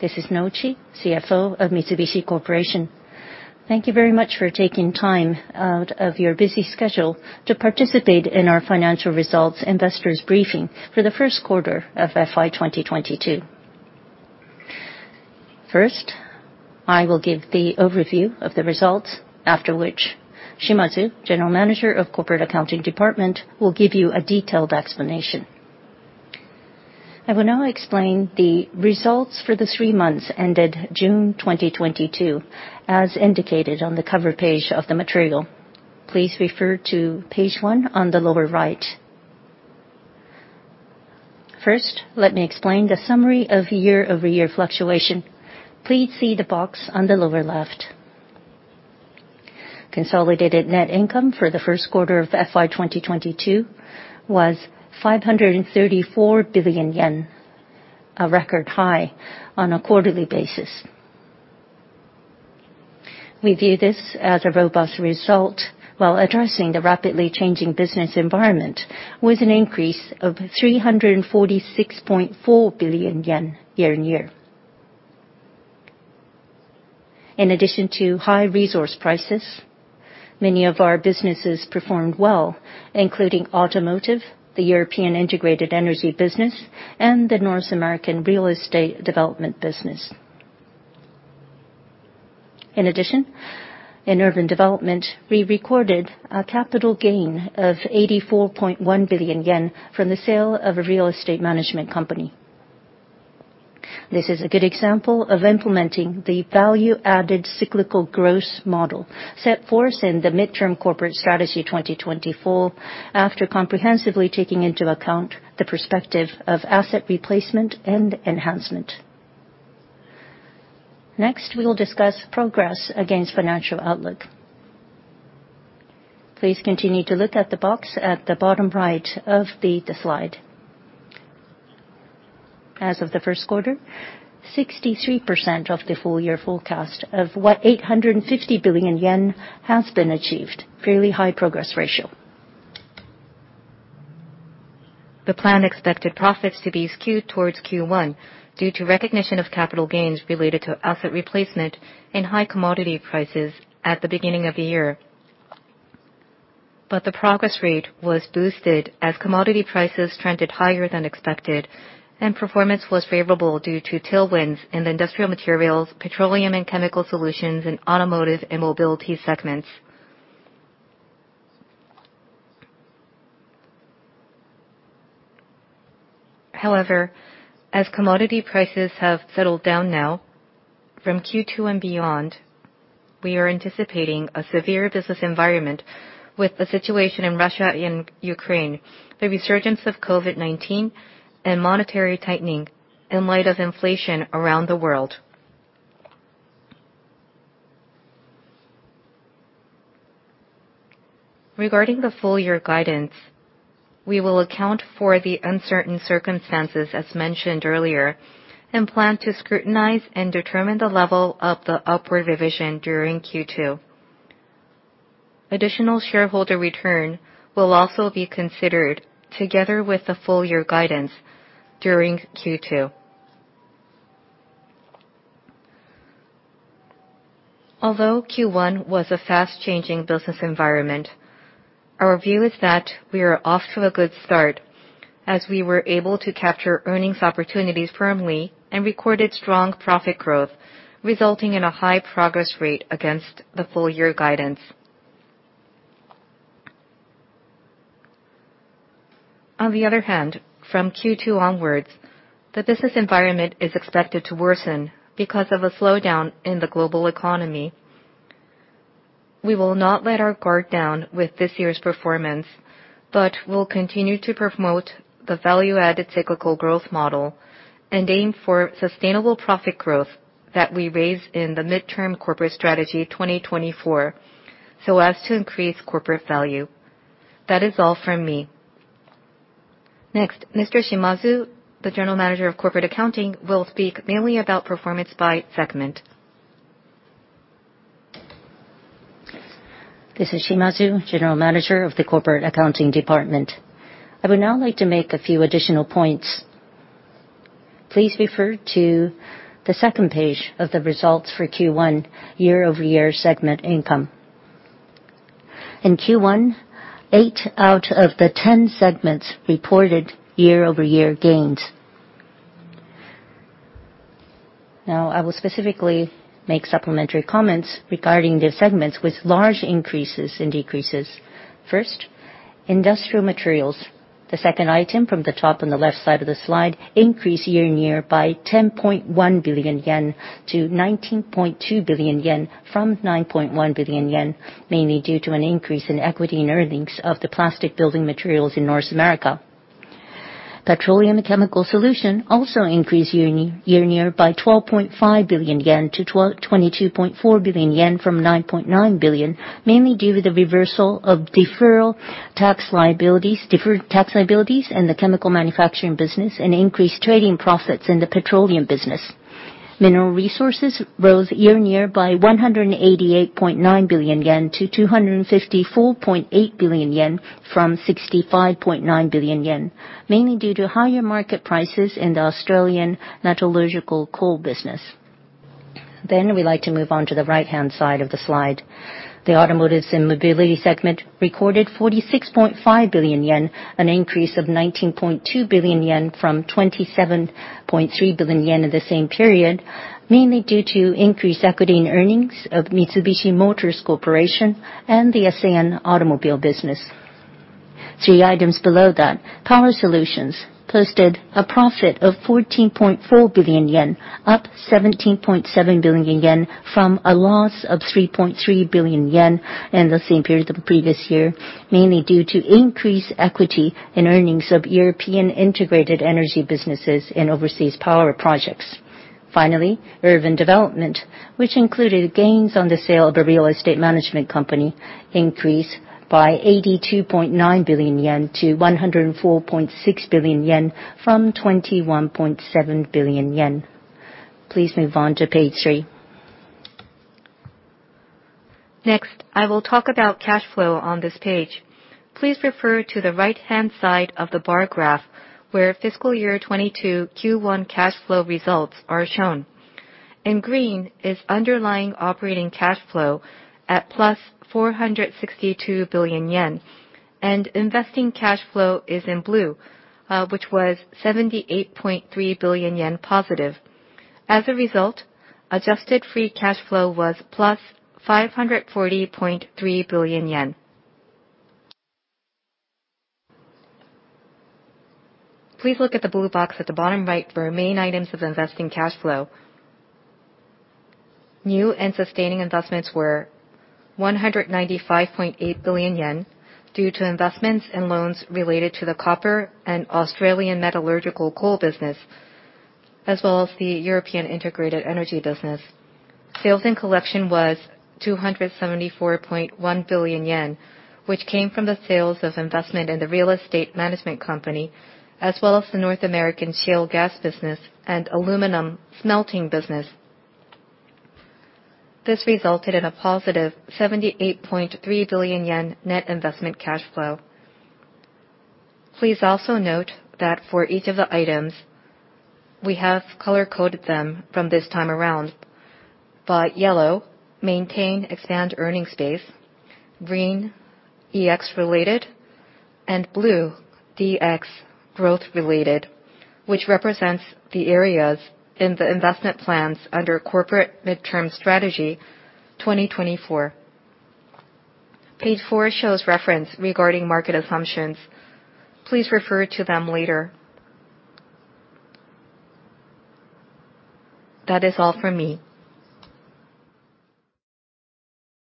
This is Nouchi, CFO of Mitsubishi Corporation. Thank you very much for taking time out of your busy schedule to participate in our financial results investors briefing for the first quarter of FY 2022. First, I will give the overview of the results, after which Shimazu, General Manager of Corporate Accounting Department, will give you a detailed explanation. I will now explain the results for the three months ended June 2022 as indicated on the cover page of the material. Please refer to page one on the lower right. First, let me explain the summary of year-over-year fluctuation. Please see the box on the lower left. Consolidated net income for the first quarter of FY 2022 was 534 billion yen, a record high on a quarterly basis. We view this as a robust result while addressing the rapidly changing business environment with an increase of 346.4 billion yen year-on-year. In addition to high resource prices, many of our businesses performed well, including automotive, the European integrated energy business, and the North American real estate development business. In addition, in Urban Development, we recorded a capital gain of 84.1 billion yen from the sale of a real estate management company. This is a good example of implementing the Value-Added Cyclical Growth Model set forth in the Midterm Corporate Strategy 2024 after comprehensively taking into account the perspective of asset replacement and enhancement. Next, we will discuss progress against financial outlook. Please continue to look at the box at the bottom right of the slide. As of the first quarter, 63% of the full year forecast of 850 billion yen has been achieved, fairly high progress ratio. The plan expected profits to be skewed towards Q1 due to recognition of capital gains related to asset replacement and high commodity prices at the beginning of the year. The progress rate was boosted as commodity prices trended higher than expected, and performance was favorable due to tailwinds in the Industrial Materials, Petroleum & Chemicals Solution, and Automotive & Mobility segments. However, as commodity prices have settled down now, from Q2 and beyond, we are anticipating a severe business environment with the situation in Russia and Ukraine, the resurgence of COVID-19, and monetary tightening in light of inflation around the world. Regarding the full year guidance, we will account for the uncertain circumstances as mentioned earlier, and plan to scrutinize and determine the level of the upward revision during Q2. Additional shareholder return will also be considered together with the full year guidance during Q2. Although Q1 was a fast-changing business environment, our view is that we are off to a good start as we were able to capture earnings opportunities firmly and recorded strong profit growth, resulting in a high progress rate against the full year guidance. On the other hand, from Q2 onwards, the business environment is expected to worsen because of a slowdown in the global economy. We will not let our guard down with this year's performance, but will continue to promote the Value-Added Cyclical Growth Model and aim for sustainable profit growth that we raised in the Midterm Corporate Strategy 2024 so as to increase corporate value. That is all from me. Next, Mr. Shimazu, the General Manager of Corporate Accounting, will speak mainly about performance by segment. This is Shimazu, General Manager of the Corporate Accounting Department. I would now like to make a few additional points. Please refer to the second page of the results for Q1 year-over-year segment income. In Q1, eight out of the 10 segments reported year-over-year gains. Now I will specifically make supplementary comments regarding the segments with large increases and decreases. First, Industrial Materials, the second item from the top on the left side of the slide, increased year-over-year by 10.1 billion yen to 19.2 billion yen from 9.1 billion yen, mainly due to an increase in equity and earnings of the plastic building materials in North America. Petroleum & Chemicals Solution also increased year-on-year by 12.5 billion yen to 22.4 billion yen from 9.9 billion, mainly due to the reversal of deferred tax liabilities in the chemical manufacturing business and increased trading profits in the petroleum business. Mineral Resources rose year-on-year by 188.9 billion yen to 254.8 billion yen from 65.9 billion yen, mainly due to higher market prices in the Australian metallurgical coal business. We'd like to move on to the right-hand side of the slide. The Automotive & Mobility segment recorded 46.5 billion yen, an increase of 19.2 billion yen from 27.3 billion yen in the same period, mainly due to increased equity earnings of Mitsubishi Motors Corporation and the ASEAN automobile business. Three items below that, Power Solution posted a profit of 14.4 billion yen, up 17.7 billion yen from a loss of 3.3 billion yen in the same period the previous year, mainly due to increased equity in earnings of European integrated energy businesses and overseas power projects. Finally, Urban Development, which included gains on the sale of a real estate management company, increased by 82.9 billion yen to 104.6 billion yen from 21.7 billion yen. Please move on to page three. Next, I will talk about cash flow on this page. Please refer to the right-hand side of the bar graph, where fiscal year 2022 Q1 cash flow results are shown. In green is underlying operating cash flow at +462 billion yen, and investing cash flow is in blue, which was +78.3 billion yen. As a result, adjusted free cash flow was +540.3 billion yen. Please look at the blue box at the bottom right for main items of investing cash flow. New and sustaining investments were 195.8 billion yen due to investments and loans related to the copper and Australian metallurgical coal business, as well as the European integrated energy business. Sales and collection was 274.1 billion yen, which came from the sales of investment in the real estate management company, as well as the North American shale gas business and aluminum smelting business. This resulted in a +78.3 billion yen net investment cash flow. Please also note that for each of the items, we have color-coded them from this time around. By yellow, maintain and expand earnings base, green, EX related, and blue, DX growth related, which represents the areas in the investment plans under Midterm Corporate Strategy 2024. Page four shows reference regarding market assumptions. Please refer to them later. That is all for me.